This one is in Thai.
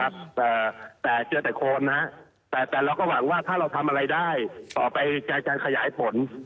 แบบไหน